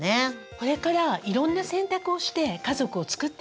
これからいろんな選択をして家族を作っていけるんですよね。